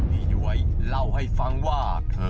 ย้วยเล่าให้ฟังว่า